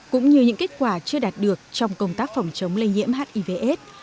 cũng như những kết quả chưa đạt được trong công tác phòng chống lây nhiễm hiv aids